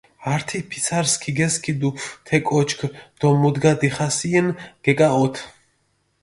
ართი ფიცარს ქიგესქიდუ თე კოჩქ დო მუდგა დიხასიენ გეკაჸოთჷ.